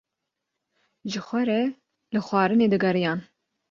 Ji xwe re li xwarinê digeriyan.